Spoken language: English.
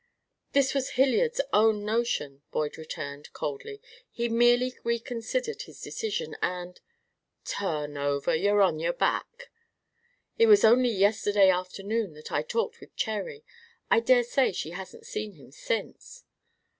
"This was Hilliard's own notion," Boyd returned, coldly. "He merely reconsidered his decision, and " "Turn over! You're on your back." "It was only yesterday afternoon that I talked with Cherry. I dare say she hasn't seen him since."